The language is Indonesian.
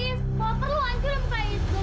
kau perlu anjirin muka iskandar aku lagi ketetap